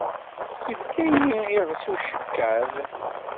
Ifka-yi iɣes ucekkab.